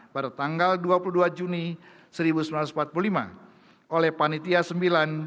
pada tanggal dua puluh dua juni seribu sembilan ratus empat puluh lima oleh panitia sembilan